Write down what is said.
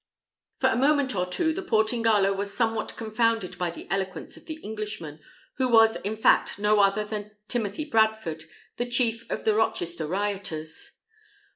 For a moment or two the Portingallo was somewhat confounded by the eloquence of the Englishman, who was in fact no other than Timothy Bradford, the chief of the Rochester rioters.